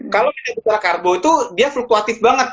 kalau energi dari karbo itu dia fluktuatif banget